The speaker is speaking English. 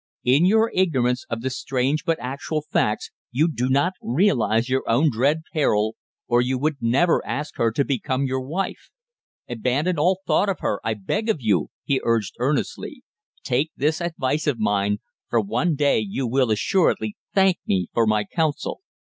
In your ignorance of the strange but actual facts you do not realize your own dread peril, or you would never ask her to become your wife. Abandon all thought of her, I beg of you," he urged earnestly. "Take this advice of mine, for one day you will assuredly thank me for my counsel."